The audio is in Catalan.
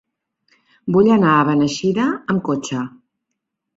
Vull anar a Beneixida amb cotxe.